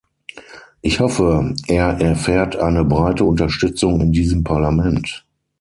Ich hoffe, er erfährt eine breite Unterstützung in diesem Parlament.